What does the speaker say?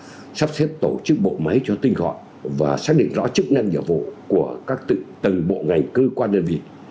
và sắp xếp tổ chức bộ máy cho tinh gọi và xác định rõ chức năng giả vụ của các tầng bộ ngành cư quan đơn vị